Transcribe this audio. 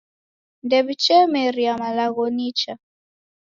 Ndew'ichemeria malagho nicha.